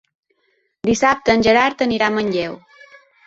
Dissabte en Gerard anirà a Manlleu.